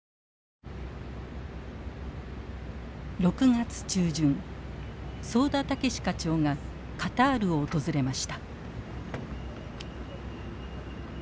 ６月中旬早田豪課長がカタールを訪れました。